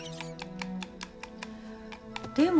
でも。